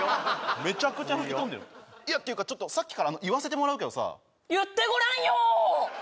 めちゃくちゃ吹き飛んでるいやていうかちょっとさっきから言わせてもらうけどさ言ってごらんよ！